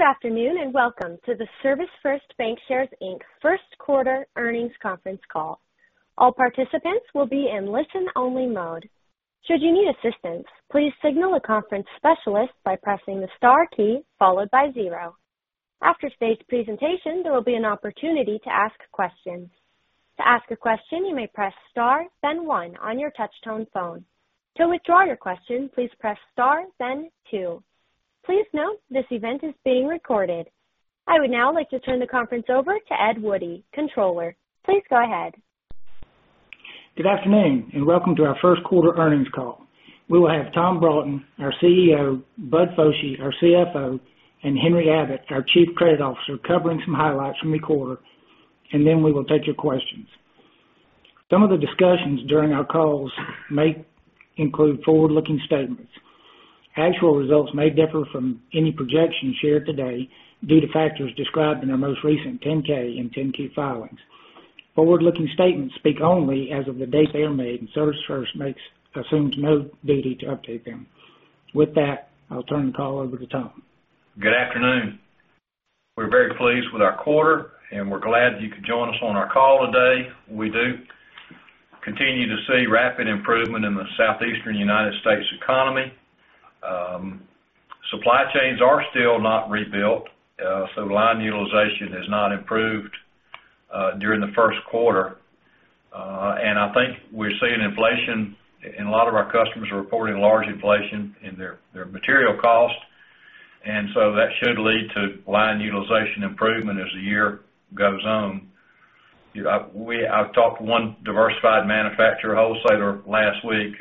Good afternoon, and welcome to the ServisFirst Bancshares, Inc. Q1 Earnings Conference Call. All participants will be in listen only mode. Should you need assistance, please signal a conference specialist by pressing the star key followed by zero. After today's presentation, there will be an opportunity to ask questions. To ask a question, you may press star then one on your touch-tone phone. To withdraw your question, please press star then two. Please note, this event is being recorded. I would now like to turn the conference over to Ed Woodie, Controller. Please go ahead. Good afternoon, welcome to our Q1 earnings call. We will have Tom Broughton, our CEO, Bud Foshee, our CFO, Henry Abbott, our Chief Credit Officer, covering some highlights from the quarter, then we will take your questions. Some of the discussions during our calls may include forward-looking statements. Actual results may differ from any projections shared today due to factors described in our most recent 10-K and 10-Q filings. Forward-looking statements speak only as of the date they are made, ServisFirst assumes no duty to update them. With that, I'll turn the call over to Tom. Good afternoon. We're very pleased with our quarter, and we're glad you could join us on our call today. We do continue to see rapid improvement in the Southeastern U.S. economy. Supply chains are still not rebuilt, so line utilization has not improved during the Q1. I think we're seeing inflation, and a lot of our customers are reporting large inflation in their material costs, and so that should lead to line utilization improvement as the year goes on. I've talked to one diversified manufacturer wholesaler last week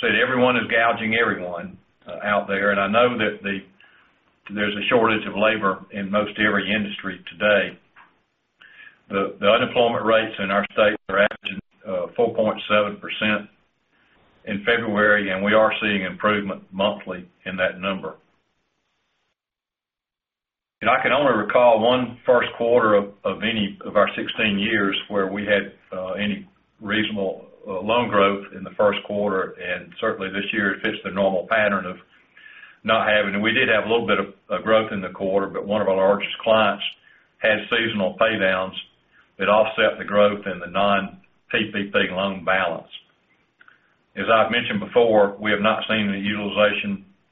who said everyone is gouging everyone out there, and I know that there's a shortage of labor in most every industry today. The unemployment rates in our state are averaging 4.7% in February, and we are seeing improvement monthly in that number. I can only recall one Q1 of our 16 years where we had any reasonable loan growth in the Q1, and certainly this year it fits the normal pattern. We did have a little bit of growth in the quarter, but one of our largest clients had seasonal pay downs that offset the growth in the non-PPP loan balance. As I've mentioned before, we have not seen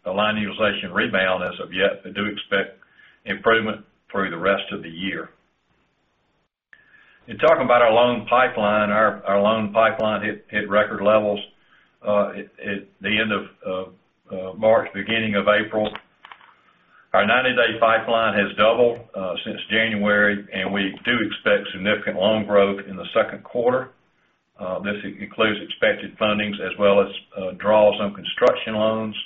the line utilization rebound as of yet, but do expect improvement through the rest of the year. In talking about our loan pipeline, our loan pipeline hit record levels at the end of March, beginning of April. Our 90-day pipeline has doubled since January, and we do expect significant loan growth in the Q2. This includes expected fundings as well as draws on construction loans.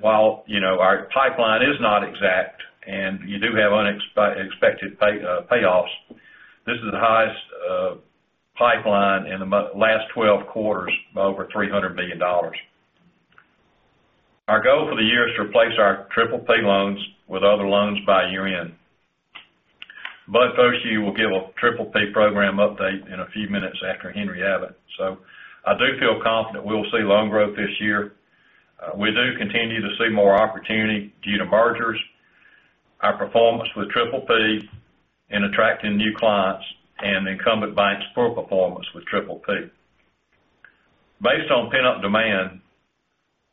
While our pipeline is not exact and you do have unexpected payoffs, this is the highest pipeline in the last 12 quarters by over $300 million. Our goal for the year is to replace our PPP loans with other loans by year-end. Bud Foshee will give a PPP program update in a few minutes after Henry Abbott. I do feel confident we will see loan growth this year. We do continue to see more opportunity due to mergers, our performance with PPP, and attracting new clients, and incumbent banks poor performance with PPP. Based on pent-up demand,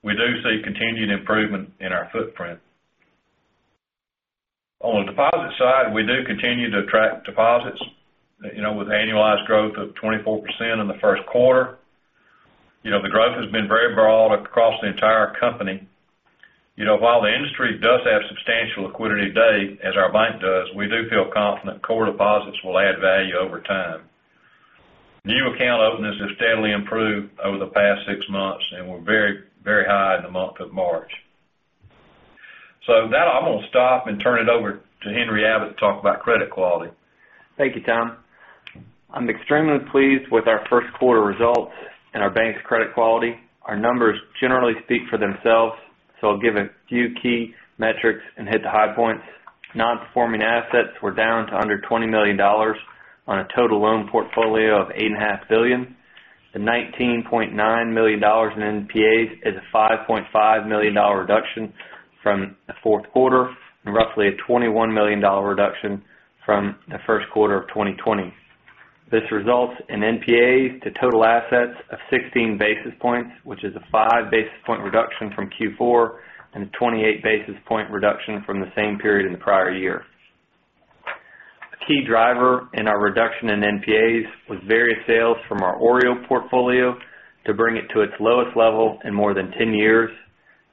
we do see continued improvement in our footprint. On the deposit side, we do continue to attract deposits, with annualized growth of 24% in the Q1. The growth has been very broad across the entire company. While the industry does have substantial liquidity today, as our bank does, we do feel confident core deposits will add value over time. New account openings have steadily improved over the past six months, and were very high in the month of March. Now I'm going to stop and turn it over to Henry Abbott to talk about credit quality. Thank you, Tom. I'm extremely pleased with our Q1 results and our bank's credit quality. Our numbers generally speak for themselves, so I'll give a few key metrics and hit the high points. Non-performing assets were down to under $20 million on a total loan portfolio of $8.5 billion. The $19.9 million in NPAs is a $5.5 million reduction from the Q4, and roughly a $21 million reduction from the Q1 of 2020. This results in NPAs to total assets of 16 basis points, which is a five basis point reduction from Q4, and a 28 basis point reduction from the same period in the prior year. A key driver in our reduction in NPAs was various sales from our OREO portfolio to bring it to its lowest level in more than 10 years.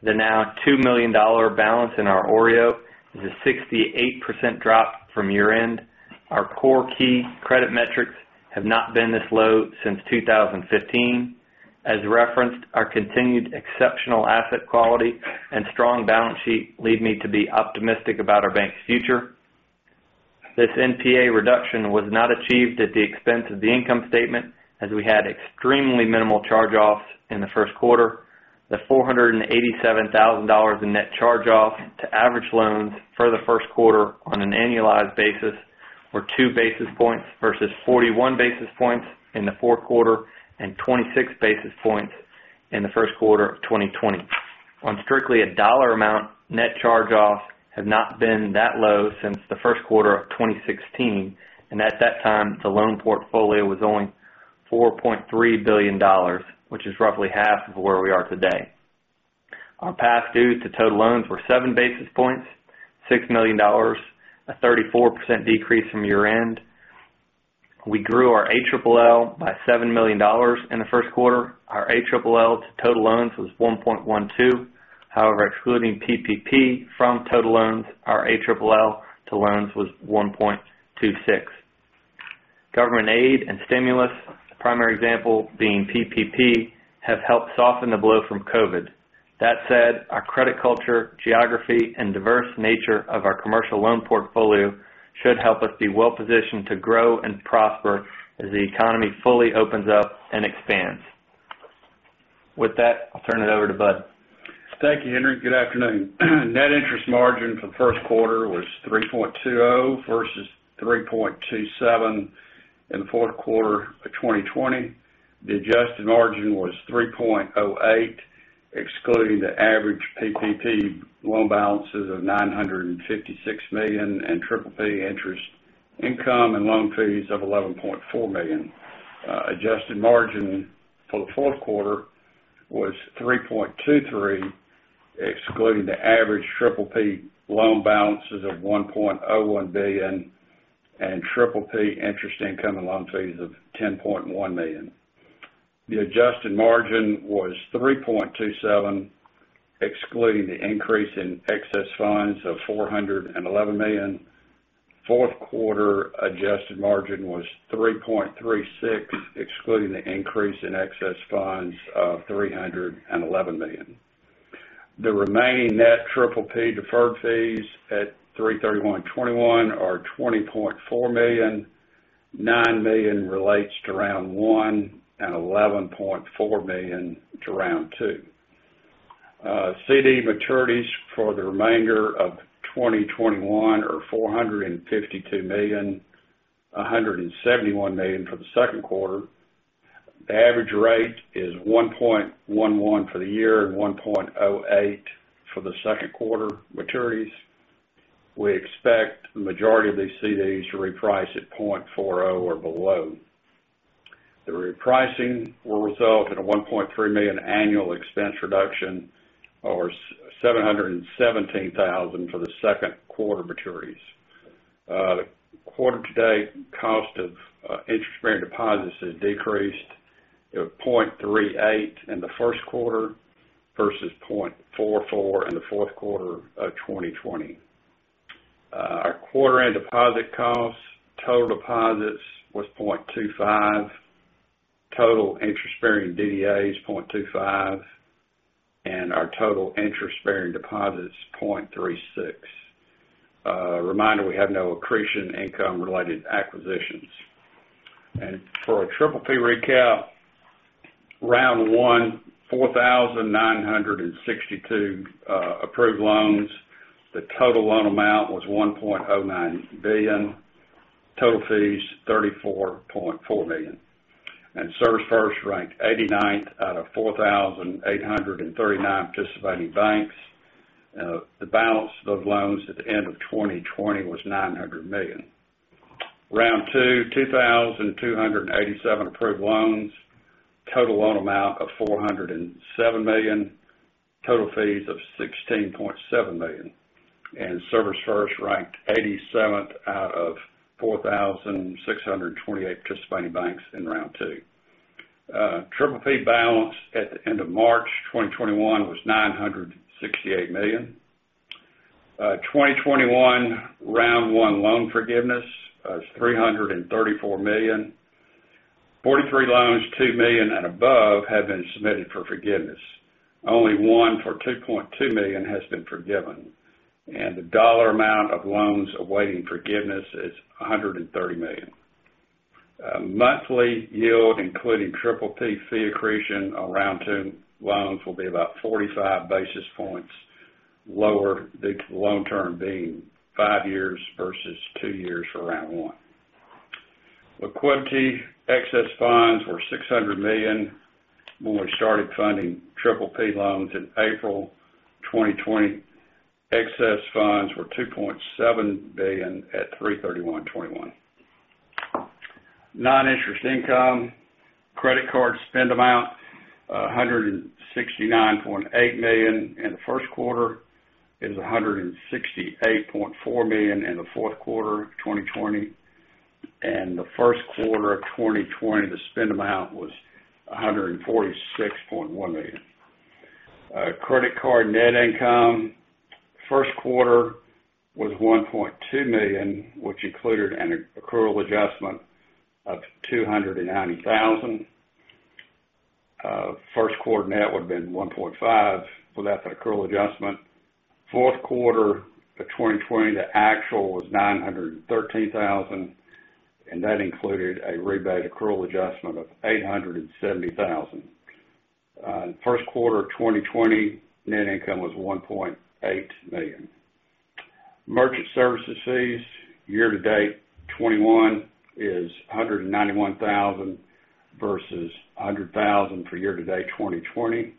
The now $2 million balance in our OREO is a 68% drop from year-end. Our core key credit metrics have not been this low since 2015. As referenced, our continued exceptional asset quality and strong balance sheet lead me to be optimistic about our bank's future. This NPA reduction was not achieved at the expense of the income statement, as we had extremely minimal charge-offs in the Q1. The $487,000 in net charge-offs to average loans for the Q1 on an annualized basis were two basis points versus 41 basis points in the Q4 and 26 basis points in the Q1 of 2020. On strictly a dollar amount, net charge-offs have not been that low since the Q1 of 2016, and at that time, the loan portfolio was only $4.3 billion, which is roughly half of where we are today. Our past due to total loans were seven basis points, $6 million, a 34% decrease from year-end. We grew our ALLL by $7 million in the Q1. Our ALLL to total loans was 1.12. However, excluding PPP from total loans, our ALLL to loans was 1.26. Government aid and stimulus, the primary example being PPP, have helped soften the blow from COVID. That said, our credit culture, geography, and diverse nature of our commercial loan portfolio should help us be well-positioned to grow and prosper as the economy fully opens up and expands. With that, I'll turn it over to Bud. Thank you, Henry. Good afternoon. Net interest margin for the Q1 was 3.20% versus 3.27% in the Q4 of 2020. The adjusted margin was 3.08%, excluding the average PPP loan balances of $956 million in PPP interest income and loan fees of $11.4 million. Adjusted margin for the Q4 was 3.23%, excluding the average PPP loan balances of $1.01 billion and PPP interest income and loan fees of $10.1 million. The adjusted margin was 3.27%, excluding the increase in excess funds of $411 million. Q4 adjusted margin was 3.36%, excluding the increase in excess funds of $311 million. The remaining net PPP deferred fees at 03/31/2021 are $20.4 million, $9 million relates to Round 1 and $11.4 million to Round 2. CD maturities for the remainder of 2021 are $452 million, $171 million for the Q2. The average rate is 1.11 for the year and 1.08 for the Q2 maturities. We expect the majority of these CDs to reprice at 0.40 or below. The repricing will result in a $1.3 million annual expense reduction, or $717,000 for the Q2 maturities. The quarter-to-date cost of interest-bearing deposits has decreased to 0.38 in the Q1 versus 0.44 in the Q4 of 2020. Our quarter-end deposit costs, total deposits was 0.25, total interest-bearing DDAs 0.25, and our total interest-bearing deposits 0.36. A reminder, we have no accretion income-related acquisitions. For our PPP recap, Round 1, 4,962 approved loans. The total loan amount was $1.09 billion. Total fees, $34.4 million. ServisFirst ranked 89th out of 4,839 participating banks. The balance of loans at the end of 2020 was $900 million. Round 2,287 approved loans. Total loan amount of $407 million. Total fees of $16.7 million. ServisFirst ranked 87th out of 4,628 participating banks in Round 2. PPP balance at the end of March 2021 was $968 million. 2021 Round 1 loan forgiveness is $334 million. 43 loans, $2 million and above have been submitted for forgiveness. Only one for $2.2 million has been forgiven, and the dollar amount of loans awaiting forgiveness is $130 million. Monthly yield, including PPP fee accretion on Round 2 loans, will be about 45 basis points lower, the loan term being five years versus two years for Round 1. Liquidity excess funds were $600 million when we started funding PPP loans in April 2020. Excess funds were $2.7 billion at 3/31/2021. Non-interest income, credit card spend amount, $169.8 million in the Q1. It was $168.4 million in the Q4 of 2020. The Q1 of 2020, the spend amount was $146.1 million. Credit card net income, Q1 was $1.2 million, which included an accrual adjustment of $290,000. Q1 net would've been $1.5 without the accrual adjustment. Q4 of 2020, the actual was $913,000. That included a rebate accrual adjustment of $870,000. Q1 of 2020, net income was $1.8 million. Merchant services fees year-to-date 2021 is $191,000 versus $100,000 for year-to-date 2020.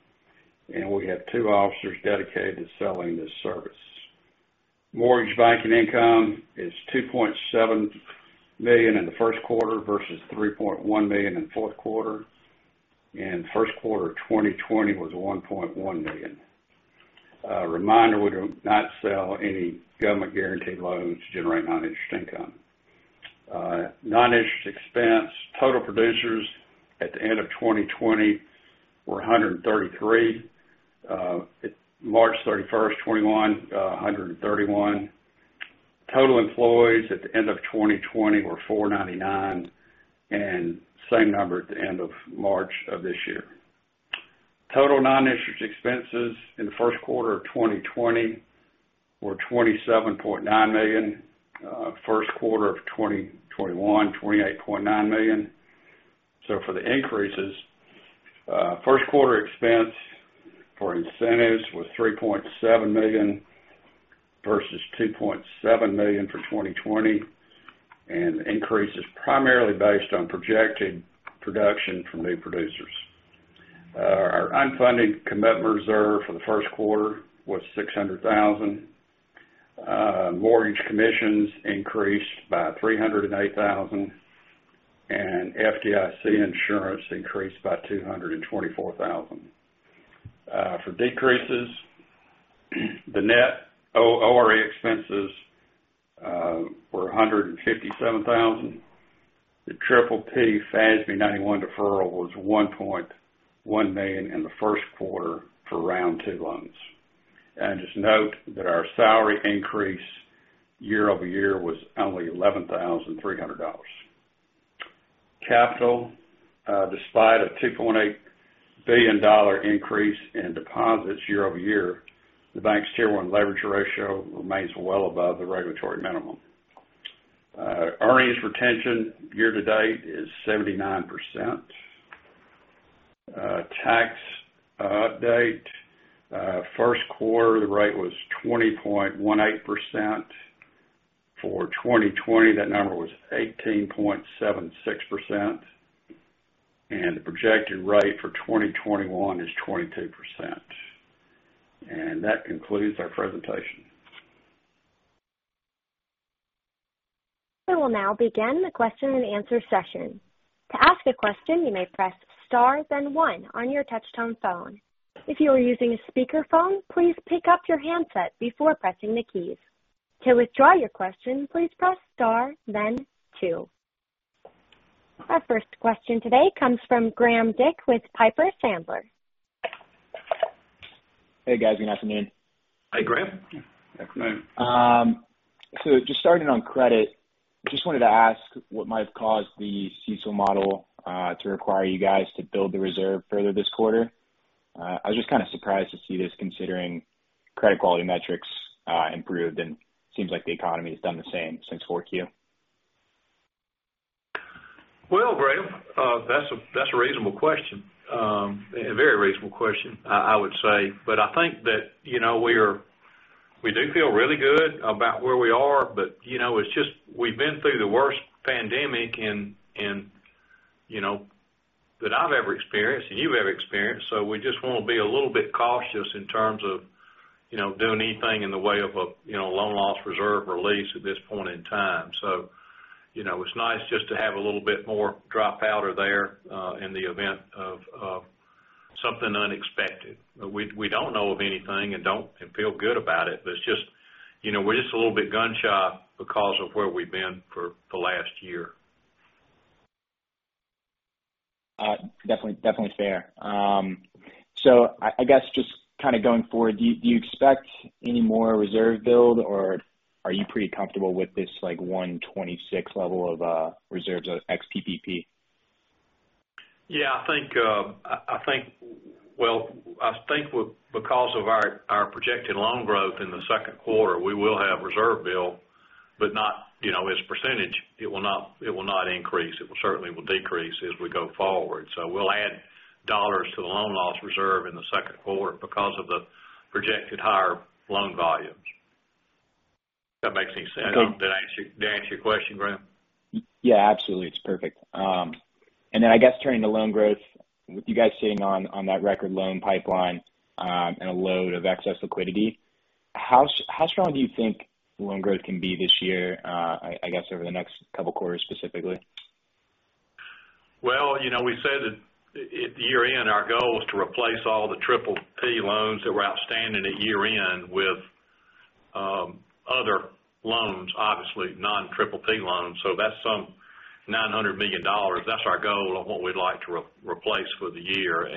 We have two officers dedicated to selling this service. Mortgage banking income is $2.7 million in the Q1 versus $3.1 million in Q4. Q1 2020 was $1.1 million. A reminder, we do not sell any government-guaranteed loans to generate non-interest income. Non-interest expense, total producers at the end of 2020 were 133. At March 31st, 2021, 131. Total employees at the end of 2020 were 499, and same number at the end of March of this year. Total non-interest expenses in the Q1 of 2020 were $27.9 million. Q1 of 2021, $28.9 million. For the increases, Q1 expense for incentives was $3.7 million versus $2.7 million for 2020, and the increase is primarily based on projected production from new producers. Our unfunded commitment reserve for the Q1 was $600,000. Mortgage commissions increased by $308,000, and FDIC insurance increased by $224,000. For decreases, the net ORE expenses were $157,000. The PPP FASB 91 deferral was $1.1 million in the Q1 for Round 2 loans. Just note that our salary increase year-over-year was only $11,300. Capital, despite a $2.8 billion increase in deposits year-over-year, the bank's tier 1 leverage ratio remains well above the regulatory minimum. Earnings retention year-to-date is 79%. Tax update, Q1, the rate was 20.18%. For 2020, that number was 18.76%, and the projected rate for 2021 is 22%. That concludes our presentation. We will now begin the question and answer session. To ask a question, you may press star then one on your touchtone phone. If you are using a speakerphone, please pick up your handset before pressing the keys. To withdraw your question, please press star then two. Our first question today comes from Graham Dick with Piper Sandler. Hey, guys. Good afternoon. Hi, Graham. Good afternoon. JUst starting on credit, just wanted to ask what might have caused the CECL model to require you guys to build the reserve further this quarter. I was just kind of surprised to see this, considering credit quality metrics improved, and seems like the economy has done the same since 4Q. Well, Graham, that's a reasonable question. A very reasonable question, I would say. I think that we do feel really good about where we are, but it's just we've been through the worst pandemic that I've ever experienced, and you've ever experienced, we just want to be a little bit cautious in terms of doing anything in the way of a loan loss reserve release at this point in time. It's nice just to have a little bit more dry powder there, in the event of something unexpected. We don't know of anything and feel good about it, but we're just a little bit gun-shy because of where we've been for the last year. Definitely fair. I guess just kind of going forward, do you expect any more reserve build, or are you pretty comfortable with this like 126 level of reserves ex-PPP? Well, I think because of our projected loan growth in the Q2, we will have reserve build, but not as percentage, it will not increase. It certainly will decrease as we go forward. We'll add dollars to the loan loss reserve in the Q2 because of the projected higher loan volumes. If that makes any sense. Did I answer your question, Graham? Yeah, absolutely. It's perfect. I guess turning to loan growth, with you guys sitting on that record loan pipeline, and a load of excess liquidity, how strong do you think loan growth can be this year, I guess over the next couple quarters specifically? Well, we said that at year-end, our goal was to replace all the PPP loans that were outstanding at year-end with other loans, obviously non-PPP loans. That's some $900 million. That's our goal of what we'd like to replace for the year.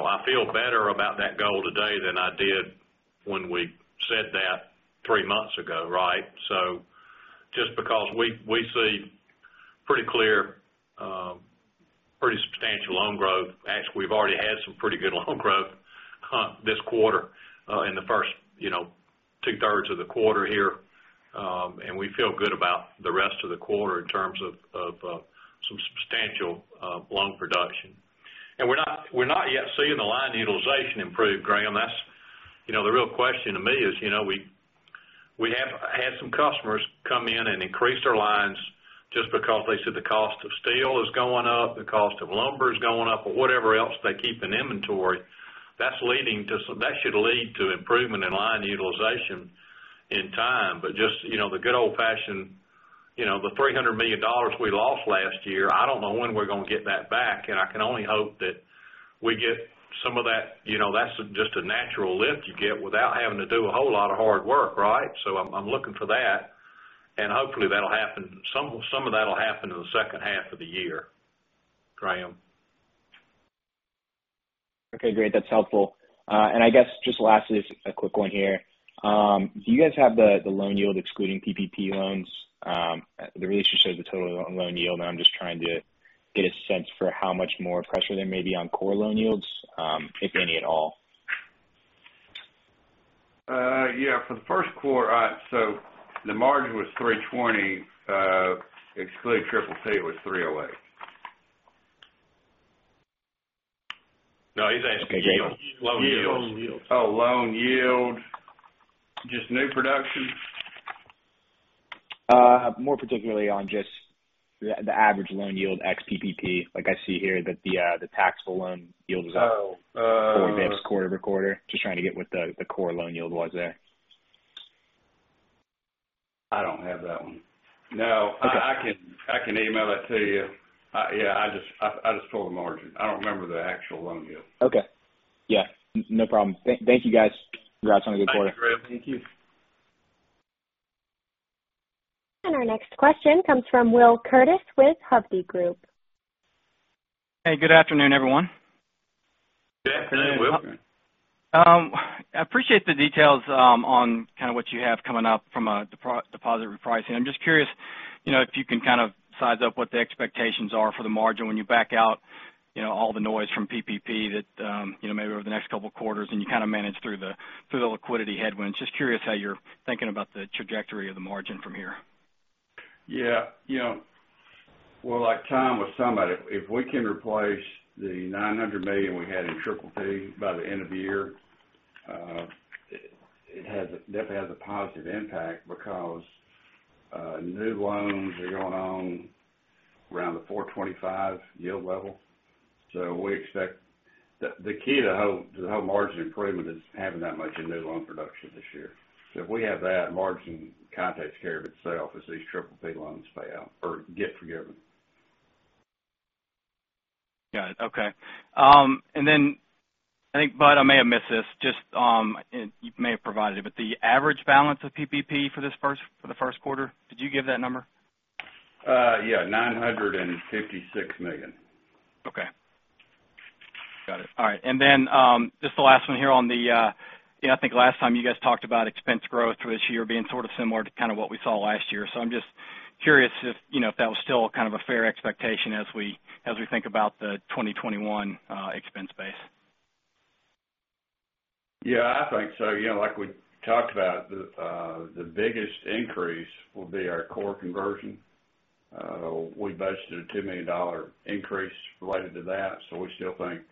I feel better about that goal today than I did when we said that three months ago, right? just because we see pretty clear loan growth. Actually, we've already had some pretty good loan growth this quarter, in the first two-thirds of the quarter here. We feel good about the rest of the quarter in terms of some substantial loan production. We're not yet seeing the line utilization improve, Graham. The real question to me is, we have had some customers come in and increase their lines just because they said the cost of steel is going up, the cost of lumber is going up or whatever else they keep in inventory. That should lead to improvement in line utilization in time. Just the good old fashioned, the $300 million we lost last year, I don't know when we're going to get that back, and I can only hope that we get some of that. That's just a natural lift you get without having to do a whole lot of hard work, right? I'm looking for that, and hopefully some of that'll happen in the second half of the year, Graham. Okay, great. That's helpful. I guess just lastly, just a quick one here. Do you guys have the loan yield excluding PPP loans? The release just shows the total loan yield. I'm just trying to get a sense for how much more pressure there may be on core loan yields, if any at all. Yeah. For the Q1, so the margin was 320, excluding PPP, it was 308. No, he's asking loan yields. Oh, loan yield. Just new production? More particularly on just the average loan yield ex PPP. Like I see here that the taxable loan yield is up. Oh Four basis points quarter-over-quarter. Just trying to get what the core loan yield was there. I don't have that one. No. Okay. I can email it to you. Yeah, I just told the margin. I don't remember the actual loan yield. Okay. Yeah, no problem. Thank you, guys. Congrats on a good quarter. Thanks, Graham. Thank you. Our next question comes from Will Curtiss with Hovde Group. Hey, good afternoon, everyone. Good afternoon, Will. Afternoon. I appreciate the details on kind of what you have coming up from a deposit repricing. I'm just curious if you can kind of size up what the expectations are for the margin when you back out all the noise from PPP that maybe over the next couple of quarters and you kind of manage through the liquidity headwinds. Just curious how you're thinking about the trajectory of the margin from here. Yeah. Well, like Tom was talking about, if we can replace the $900 million we had in PPP by the end of the year, it definitely has a positive impact because new loans are going on around the 425 yield level. The key to the whole margin improvement is having that much in new loan production this year. If we have that, margin kind of takes care of itself as these PPP loans fail or get forgiven. Got it. Okay. I think, Bud, I may have missed this, you may have provided it, but the average balance of PPP for the Q1, did you give that number? Yeah, $956 million. Okay. Got it. All right. Then, just the last one here. I think last time you guys talked about expense growth for this year being sort of similar to kind of what we saw last year. I'm just curious if that was still kind of a fair expectation as we think about the 2021 expense base. Yeah, I think so. Like we talked about, the biggest increase will be our core conversion. We budgeted a $2 million increase related to that, so we still think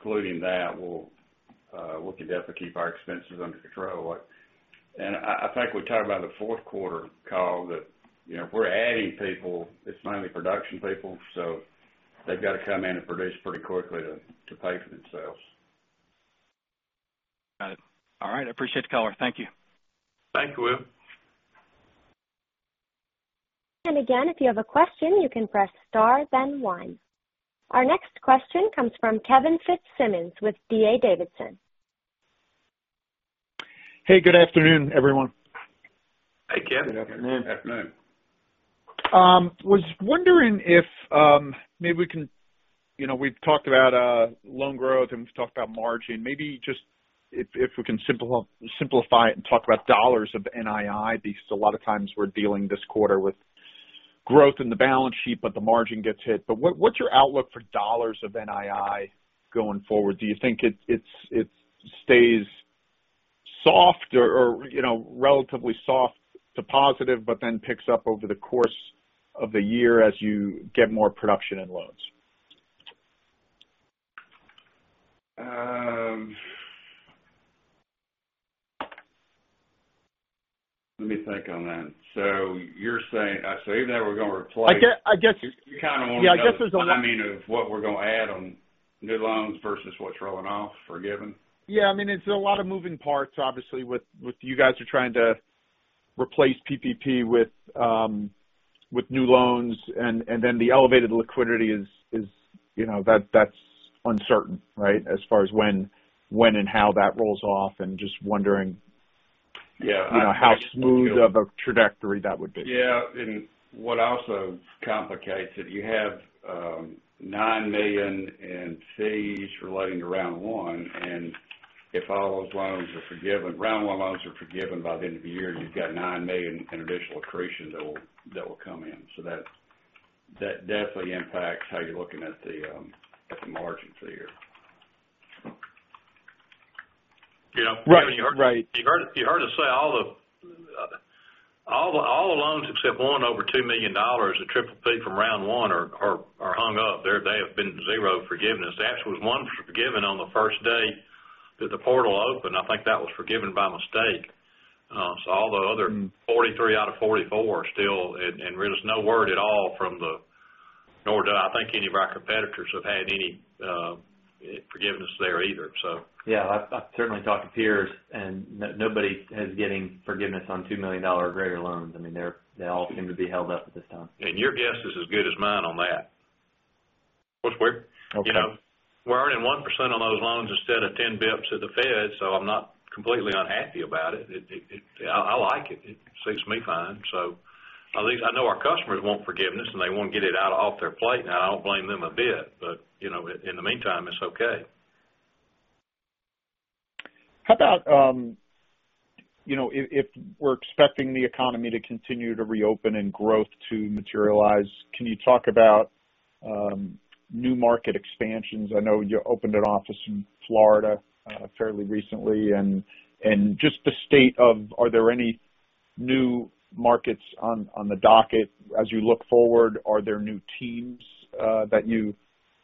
excluding that, we can definitely keep our expenses under control. I think we talked about in the Q4 call that if we're adding people, it's mainly production people. They've got to come in and produce pretty quickly to pay for themselves. Got it. All right. I appreciate the color. Thank you. Thank you, Will. Again, if you have a question, you can press star then one. Our next question comes from Kevin Fitzsimmons with D.A. Davidson. Hey, good afternoon, everyone. Hey, Kevin. Good afternoon. We've talked about loan growth, and we've talked about margin. Maybe just if we can simplify it and talk about dollars of NII, because a lot of times we're dealing this quarter with growth in the balance sheet, but the margin gets hit. What's your outlook for dollars of NII going forward? Do you think it stays soft or relatively soft to positive, but then picks up over the course of the year as you get more production in loans? Let me think on that. Even though we're going to replace. I guess. You kind of want to know. Yeah, I guess there's a. I mean, of what we're going to add on new loans versus what's rolling off, forgiven? I mean, it's a lot of moving parts, obviously, with you guys are trying to replace PPP with new loans. The elevated liquidity, that's uncertain, right, as far as when and how that rolls off. Yeah. How smooth of a trajectory that would be. Yeah. What also complicates it, you have $9 million in fees relating to Round 1. If Round 1 loans are forgiven by the end of the year, you've got $9 million in additional accretion that will come in. That definitely impacts how you're looking at the margins there. Yeah. Right. You heard us say all the loans except one over $2 million, the PPP from Round 1 are hung up. They have been zero forgiveness. Actually, there was one forgiven on the first day that the portal opened. I think that was forgiven by mistake. All the other 43 out of 44 are still. There's no word at all. Nor did I think any of our competitors have had any forgiveness there either, so. Yeah, I've certainly talked to peers, and nobody is getting forgiveness on $2 million or greater loans. They all seem to be held up at this time. Your guess is as good as mine on that. We're earning 1% on those loans instead of 10 basis points at the Fed. I'm not completely unhappy about it. I like it. It suits me fine. At least I know our customers want forgiveness, and they want to get it off their plate now. I don't blame them a bit. In the meantime, it's okay. How about if we're expecting the economy to continue to reopen and growth to materialize, can you talk about new market expansions? I know you opened an office in Florida fairly recently, just the state of are there any new markets on the docket as you look forward? Are there new teams that you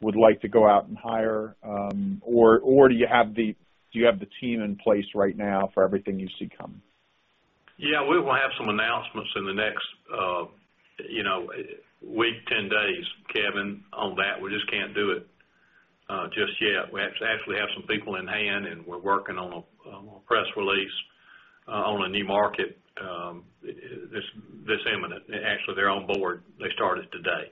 would like to go out and hire? Do you have the team in place right now for everything you see coming? Yeah, we will have some announcements in the next week, 10 days, Kevin, on that. We just can't do it just yet. We actually have some people in hand, and we're working on a press release on a new market that's imminent. Actually, they're on board. They started today.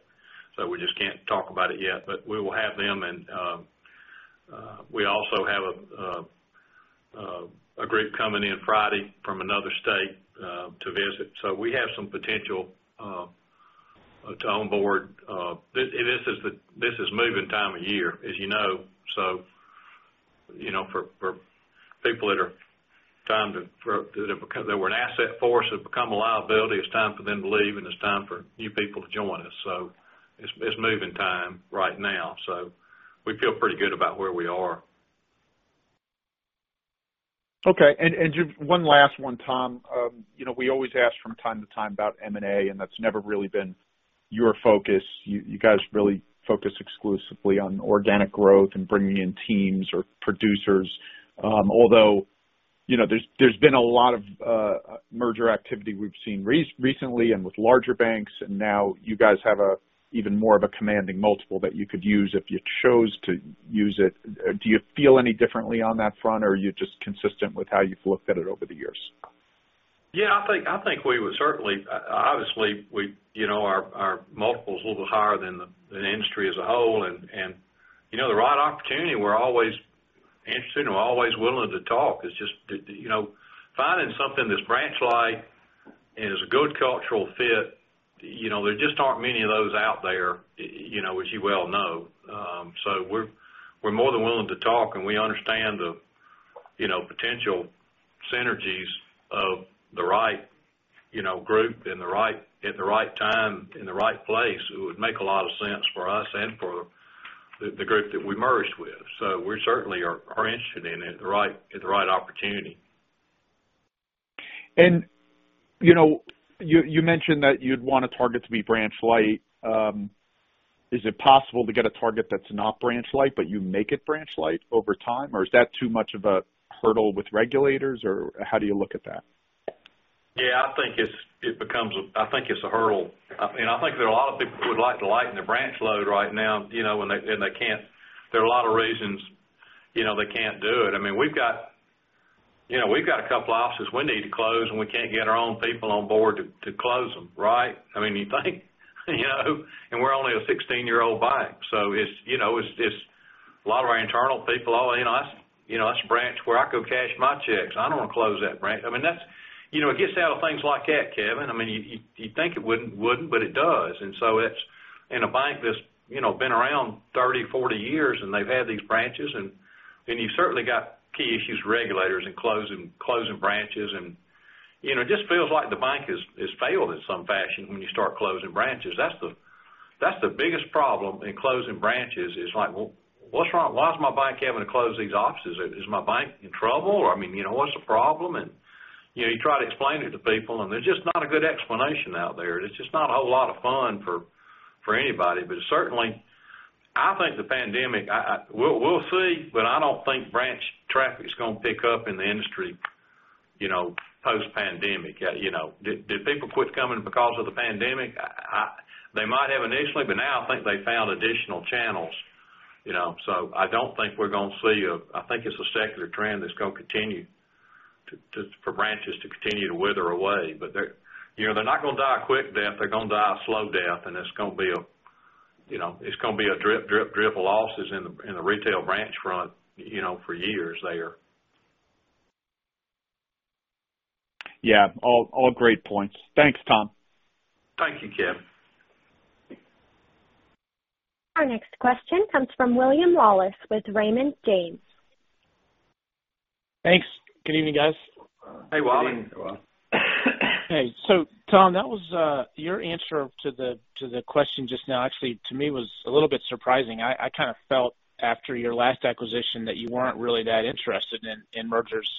We just can't talk about it yet. We will have them, and we also have a group coming in Friday from another state to visit. We have some potential to onboard. This is moving time of year, as you know. For people that were an asset for us, have become a liability, it's time for them to leave, and it's time for new people to join us. It's moving time right now, so we feel pretty good about where we are. Okay. Just one last one, Tom. We always ask from time to time about M&A, and that's never really been your focus. You guys really focus exclusively on organic growth and bringing in teams or producers. There's been a lot of merger activity we've seen recently and with larger banks, and now you guys have even more of a commanding multiple that you could use if you chose to use it. Do you feel any differently on that front, or are you just consistent with how you've looked at it over the years? Yeah, I think we would certainly. Obviously, our multiple is a little bit higher than the industry as a whole, and the right opportunity, we're always interested and we're always willing to talk. It's just finding something that's branch light and is a good cultural fit, there just aren't many of those out there, as you well know. We're more than willing to talk, and we understand the potential synergies of the right group at the right time, in the right place. It would make a lot of sense for us and for the group that we merge with. We certainly are interested in it at the right opportunity. You mentioned that you'd want a target to be branch light. Is it possible to get a target that's not branch light, but you make it branch light over time? Is that too much of a hurdle with regulators, or how do you look at that? Yeah, I think it's a hurdle. I think there are a lot of people who would like to lighten their branch load right now, and they can't. There are a lot of reasons they can't do it. We've got a couple offices we need to close, and we can't get our own people on board to close them, right? You think? We're only a 16-year-old bank, so a lot of our internal people, oh, that's the branch where I go cash my checks. I don't want to close that branch. It gets down to things like that, Kevin. You'd think it wouldn't, but it does. In a bank that's been around 30, 40 years, and they've had these branches, and you've certainly got key issues, regulators, and closing branches, and it just feels like the bank has failed in some fashion when you start closing branches. That's the biggest problem in closing branches is like, well, what's wrong? Why is my bank having to close these offices? Is my bank in trouble? What's the problem? You try to explain it to people, and there's just not a good explanation out there. It's just not a whole lot of fun for anybody. Certainly, I think the pandemic, we'll see, but I don't think branch traffic is going to pick up in the industry post-pandemic. Did people quit coming because of the pandemic? They might have initially, but now I think they found additional channels. I don't think it's a secular trend that's going to continue for branches to continue to wither away. They're not going to die a quick death. They're going to die a slow death, and it's going to be a drip, drip of losses in the retail branch front for years there. Yeah. All great points. Thanks, Tom. Thank you, Kevin. Our next question comes from William Wallace with Raymond James. Thanks. Good evening, guys. Hey, Wally. Good evening. Hey. Tom, your answer to the question just now actually to me was a little bit surprising. I kind of felt after your last acquisition that you weren't really that interested in mergers.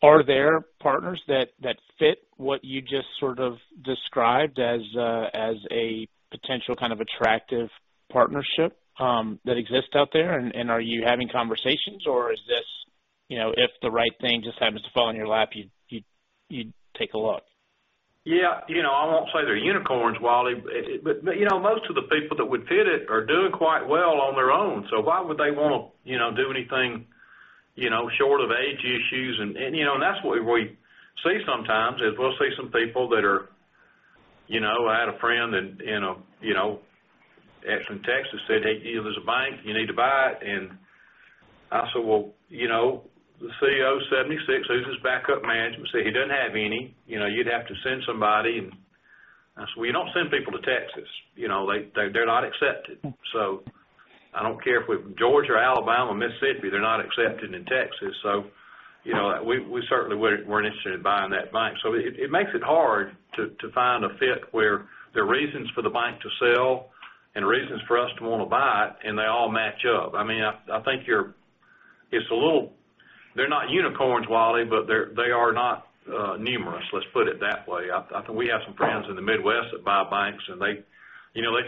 Are there partners that fit what you just sort of described as a potential kind of attractive partnership that exists out there, and are you having conversations, or if the right thing just happens to fall in your lap, you'd take a look? Yeah. I won't say they're unicorns, Wally, but most of the people that would fit it are doing quite well on their own, so why would they want to do anything short of age issues? That's what we see sometimes. I had a friend actually in Texas said, hey, there's a bank. You need to buy it. I said, well, the CEO is 76. Who's his backup management? He said, he doesn't have any. You'd have to send somebody, and I said, well, you don't send people to Texas. They're not accepted. I don't care if we're from Georgia or Alabama or Mississippi, they're not accepted in Texas. We certainly weren't interested in buying that bank. It makes it hard to find a fit where there are reasons for the bank to sell and reasons for us to want to buy it, and they all match up. They're not unicorns, Wally, but they are not numerous, let's put it that way. I think we have some friends in the Midwest that buy banks, and they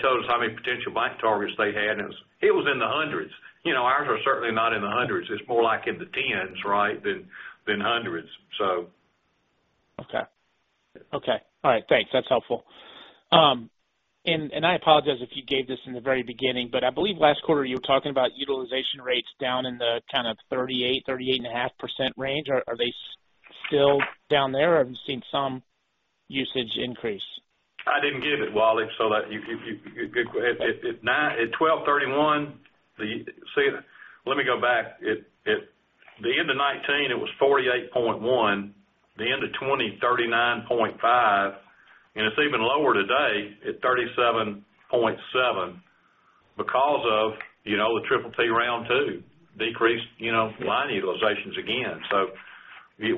told us how many potential bank targets they had, and it was in the hundreds. Ours are certainly not in the hundreds. It's more like in the tens than hundreds. Okay. All right. Thanks. That's helpful. I apologize if you gave this in the very beginning. I believe last quarter you were talking about utilization rates down in the kind of 38%-38.5% range. Are they still down there? Have you seen some usage increase? I didn't give it, Wally. At 12/31. Let me go back. The end of 2019, it was 48.1%, the end of 2020, 39.5%, and it's even lower today at 37.7% because of the PPP Round 2 decreased line utilizations again.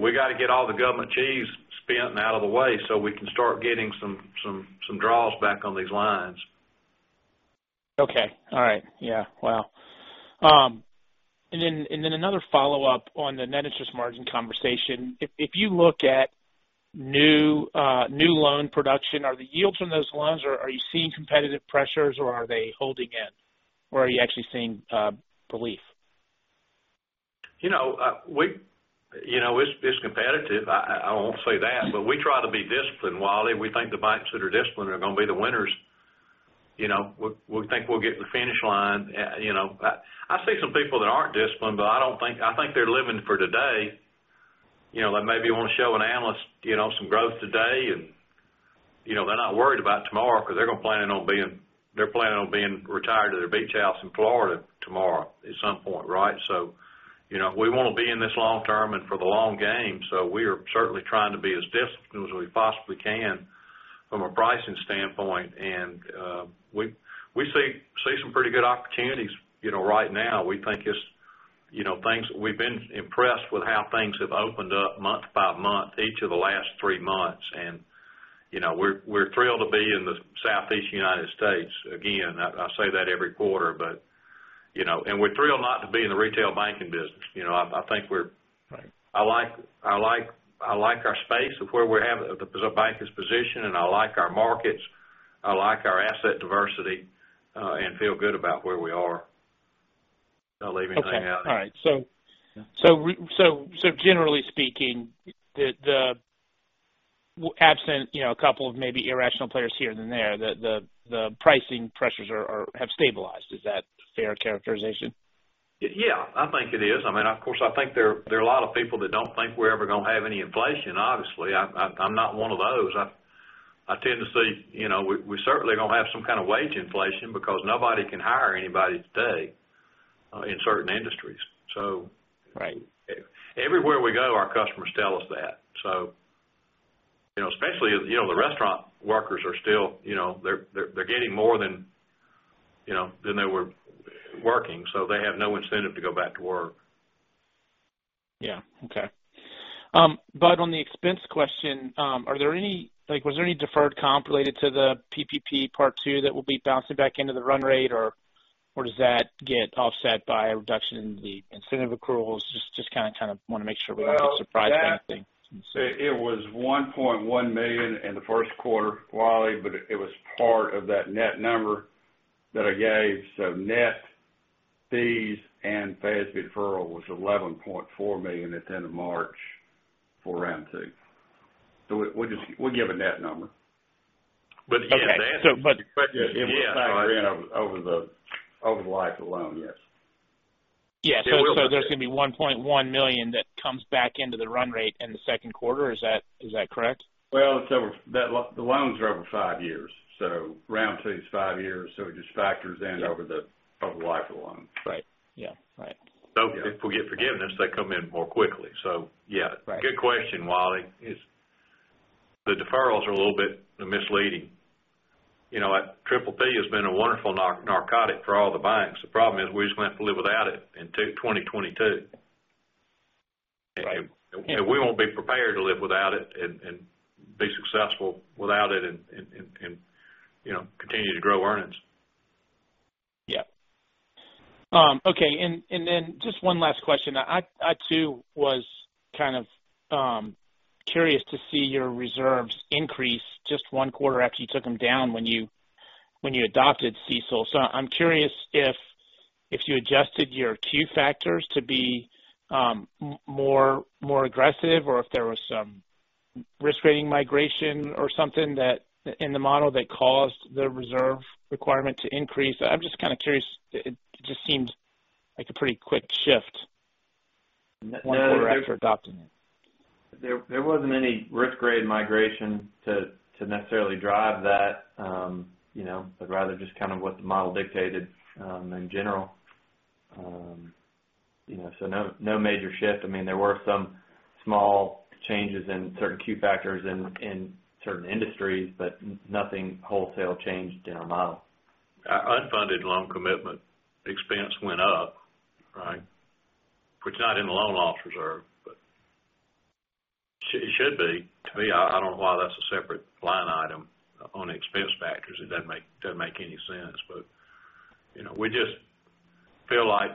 We got to get all the government cheese spent and out of the way so we can start getting some draws back on these lines. Okay. All right. Yeah. Wow. Then another follow-up on the net interest margin conversation. If you look at new loan production, are the yields on those loans, are you seeing competitive pressures or are they holding in, or are you actually seeing relief? It's competitive, I won't say that, but we try to be disciplined, Wally. We think the banks that are disciplined are going to be the winners. We think we'll get to the finish line. I see some people that aren't disciplined, but I think they're living for today. They maybe want to show an analyst some growth today, and they're not worried about tomorrow because they're planning on being retired to their beach house in Florida tomorrow at some point, right? We want to be in this long term and for the long game, so we are certainly trying to be as disciplined as we possibly can from a pricing standpoint. We see some pretty good opportunities right now. We've been impressed with how things have opened up month by month each of the last three months, and we're thrilled to be in the Southeast United States. Again, I say that every quarter, and we're thrilled not to be in the retail banking business. Right. I like our space of where we have the bank is positioned, and I like our markets, I like our asset diversity, and feel good about where we are, if I left anything out. Okay. All right. Generally speaking, absent a couple of maybe irrational players here and there, the pricing pressures have stabilized. Is that a fair characterization? Yeah, I think it is. I think there are a lot of people that don't think we're ever going to have any inflation, obviously. I'm not one of those. We're certainly going to have some kind of wage inflation because nobody can hire anybody today in certain industries. Right Everywhere we go, our customers tell us that. Especially the restaurant workers, they're getting more than they were working, so they have no incentive to go back to work. Yeah. Okay. On the expense question, was there any deferred comp related to the PPP Round 2 that will be bouncing back into the run rate, or does that get offset by a reduction in the incentive accruals? Just kind of want to make sure we don't get surprised by anything. It was $1.1 million in the Q1, Wally, but it was part of that net number that I gave. Net fees and FASB deferral was $11.4 million at the end of March for Round 2. We give a net number. Yeah, to answer the question. Okay. It was factored in over the life of the loan, yes. Yeah. There's going to be $1.1 million that comes back into the run rate in the Q2, is that correct? Well, the loans are over five years. Round 2 is five years, so it just factors in over the life of the loan. Right. Yeah. Right. If we get forgiveness, they come in more quickly. Yeah. Right. Good question, Wally. The deferrals are a little bit misleading. PPP has been a wonderful narcotic for all the banks. The problem is we're just going to have to live without it in 2022. Right. We won't be prepared to live without it and be successful without it, and continue to grow earnings. Okay, and then just one last question. I, too, was kind of curious to see your reserves increase just one quarter after you took them down when you adopted CECL. I'm curious if you adjusted your two factors to be more aggressive? Or if there was some risk rating migration or something in the model that caused the reserve requirement to increase.? I'm just kind of curious. It just seems like a pretty quick shift one quarter after adopting it. There wasn't any risk grade migration to necessarily drive that. Rather just kind of what the model dictated in general. No major shift. There were some small changes in certain key factors in certain industries, but nothing wholesale changed in our model. Our unfunded loan commitment expense went up, right? Which is not in the loan loss reserve, but it should be. To me, I don't know why that's a separate line item on the expense factors. It doesn't make any sense. We just feel like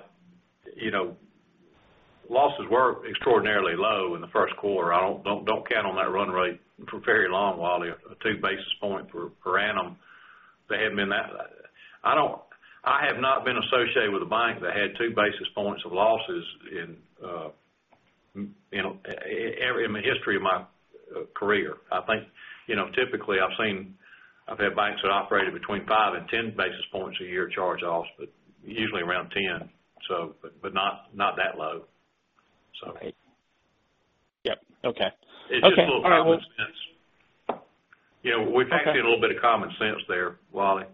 losses were extraordinarily low in the Q1. Don't count on that run rate for very long, Wally. A two basis point for per annum. I have not been associated with a bank that had two basis points of losses in the history of my career. I think, typically I've had banks that operated between five and 10 basis points a year charge-offs, but usually around 10. Not that low. Right. Yep. Okay. It's just a little common sense. We're factoring a little bit of common sense there, Wally.